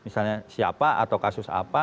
siapa atau kasus apa